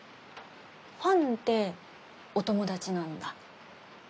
ファンでお友達なんだ。